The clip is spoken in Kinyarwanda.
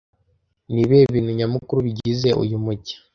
Nibihe bintu nyamukuru bigize uyu mujyi